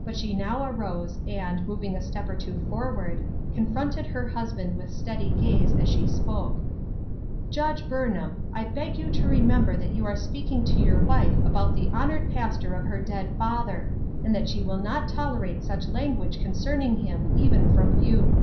63 but she now arose, and, moving a step or two for ward, confronted her husband with steady gaze as she spoke, "Judge Burnham, I beg you to remem ber that you are speaking to your wife about the honored pastor of her dead father ; and that she will not tolerate such language concerning him even from you."